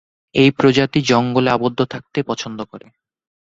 এই প্রজাতি জঙ্গলে আবদ্ধ থাকতেই পছন্দ করে।